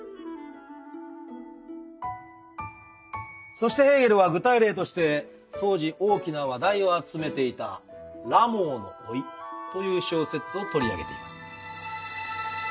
そしてヘーゲルは具体例として当時大きな話題を集めていた「ラモーの甥」という小説を取り上げています。